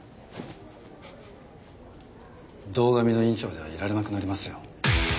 堂上の院長ではいられなくなりますよ。